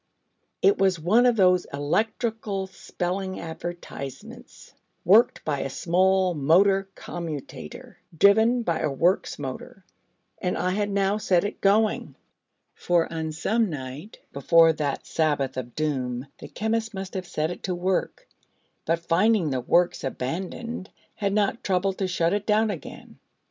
It was one of those electrical spelling advertisements, worked by a small motor commutator driven by a works motor, and I had now set it going: for on some night before that Sabbath of doom the chemist must have set it to work, but finding the works abandoned, had not troubled to shut it down again.